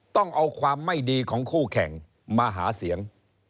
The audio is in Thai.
ต้องเอาความไม่ดีของคู่แข่งมาหาเสียง